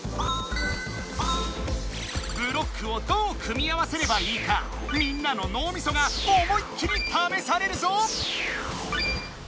ブロックをどう組み合わせればいいかみんなののうみそが思いっきりためされるぞ！